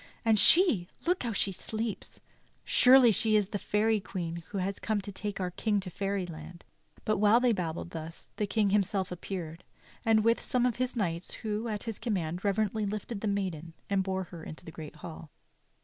And she — look how she sleeps! Surely she is the Fairy Queen who has come to take our King to fairy land." But while they babbled thus the King himself appeared, and with him some of his knights who, at his command, reverently lifted the maiden and bore her into the great hall.